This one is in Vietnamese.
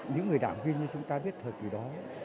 những người đảng viên như chúng ta biết thời kỳ đó